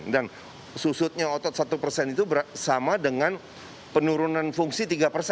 dan susutnya otot satu itu sama dengan penurunan fungsi tiga